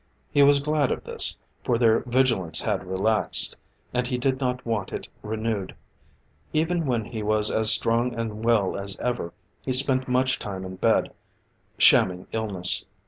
He was glad of this, for their vigilance had relaxed, and he did not want it renewed. Even when he was as strong and well as ever, he spent much time in bed, shamming illness.